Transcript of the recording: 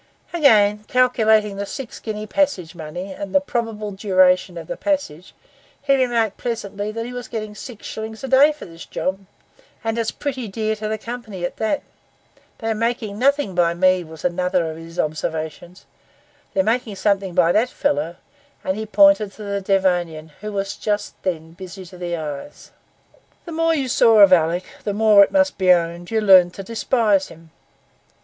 Again, calculating the six guinea passage money, and the probable duration of the passage, he remarked pleasantly that he was getting six shillings a day for this job, 'and it's pretty dear to the company at that.' 'They are making nothing by me,' was another of his observations; 'they're making something by that fellow.' And he pointed to the Devonian, who was just then busy to the eyes. The more you saw of Alick, the more, it must be owned, you learned to despise him.